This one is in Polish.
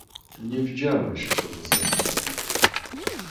"Nie widziałeś, kogo zabito."